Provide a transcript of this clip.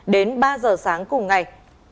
đến ba giờ sáng cùng ngày